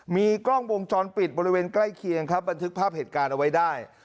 มีกล้องวงจรปิดบริเวณใกล้เคียงครับบันทึกภาพเหตุการณ์เอาไว้ได้